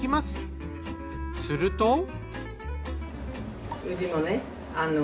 すると。